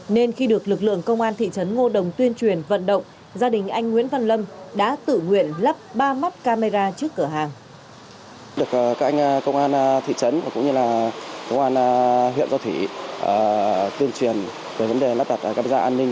nên khi được lực lượng công an thị trấn ngô đồng tuyên truyền vận động gia đình anh nguyễn văn lâm